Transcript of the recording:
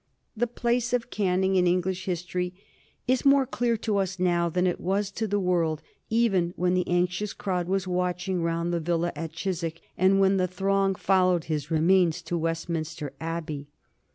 The place of Canning in English history is more clear to us now than it was to the world even when the anxious crowd was watching round the villa at Chiswick and when the throng followed his remains to Westminster Abbey.